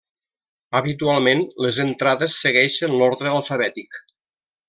Habitualment les entrades segueixen l'ordre alfabètic.